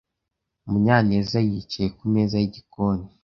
Munyanez yicaye kumeza yigikoni.